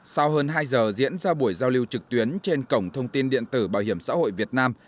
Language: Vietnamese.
sau hơn hai giờ diễn ra buổi giao lưu trực tuyến trên cổng thông tin điện tử bảo hiểm xã hội việt nam